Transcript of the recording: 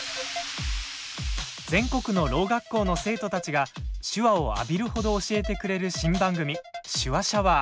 全国のろう学校の生徒たちが手話を浴びるほど教えてくれる新番組「手話シャワー」。